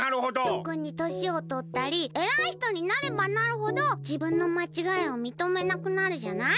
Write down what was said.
とくにとしをとったりえらい人になればなるほどじぶんのまちがいをみとめなくなるじゃない？